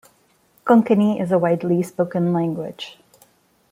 Konkani is a widely spoken language.